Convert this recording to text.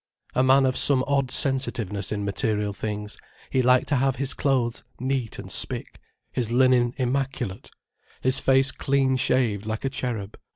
A man of some odd sensitiveness in material things, he liked to have his clothes neat and spick, his linen immaculate, his face clean shaved like a cherub.